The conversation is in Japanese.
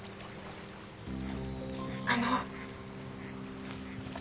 あの。